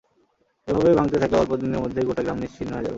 এভাবে ভাঙতে থাকলে অল্প দিনের মধ্যেই গোটা গ্রাম নিশ্চিহ্ন হয়ে যাবে।